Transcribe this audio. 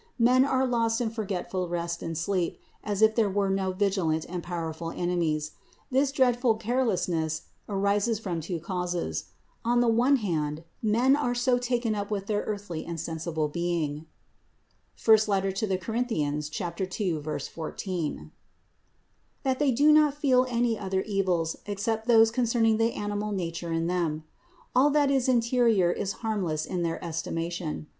Men are lost in forgetful rest and sleep, as if there were no vigilant and powerful enemies. This dreadful careless ness arises from two causes: on the one hand men are so taken up with their earthly and sensible being (I Cor. 2, 14), that they do not feel any other evils ex cept those concerning the animal nature in them; all that is interior is harmless in their estimation.